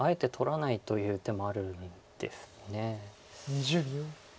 ２０秒。